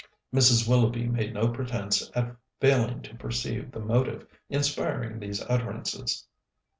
Mrs. Willoughby made no pretence at failing to perceive the motive inspiring these utterances.